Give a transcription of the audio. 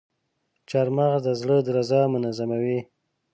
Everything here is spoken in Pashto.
چارمغز د زړه درزا منظموي.